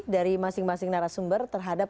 dari masing masing narasumber terhadap